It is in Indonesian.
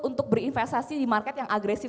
untuk berinvestasi di market yang agresif